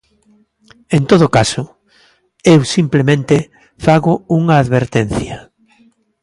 En todo caso, eu simplemente fago unha advertencia.